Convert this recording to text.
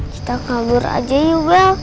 kita kabur aja yuk bel